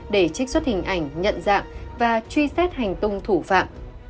để trích xuất hình ảnh nhận dạng và truy xét hành tung thủ phạm